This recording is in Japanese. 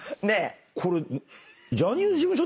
これ。